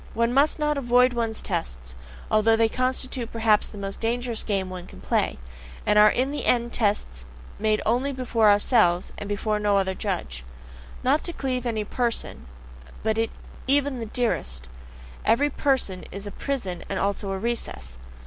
One must not avoid one's tests, although they constitute perhaps the most dangerous game one can play, and are in the end tests made only before ourselves and before no other judge. Not to cleave to any person, be it even the dearest every person is a prison and also a recess.